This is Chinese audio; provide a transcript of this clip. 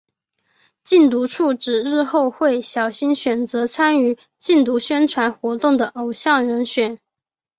禁毒处指日后会小心选择参与禁毒宣传活动的偶像人选。